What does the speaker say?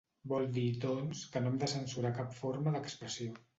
Vol dir, doncs, que no hem de censurar cap forma d'expressió.